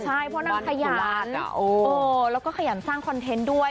ใช่เพราะนั่งขยันแล้วก็ขยันสร้างคอนเทนต์ด้วย